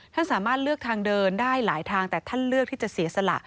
ท่านสามารถเลือกทางเดินได้หลายทางแต่ท่านเลือกที่จะเสียสละ